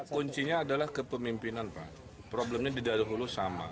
kuncinya adalah kepemimpinan pak problemnya di daerah hulu sama